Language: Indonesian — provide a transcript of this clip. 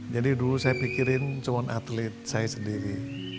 jadi dulu saya pikirin cuma atlet saya sendiri